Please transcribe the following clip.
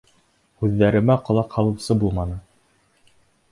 Һүҙҙәремә ҡолаҡ һалыусы булманы.